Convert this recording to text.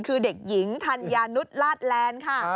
คือเด็กหญิงธัญญานุษย์ลาดแลนด์ค่ะ